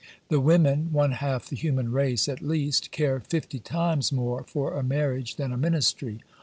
The women one half the human race at least care fifty times more for a marriage than a ministry.